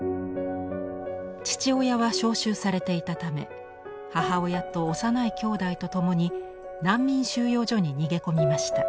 父親は召集されていたため母親と幼いきょうだいと共に難民収容所に逃げ込みました。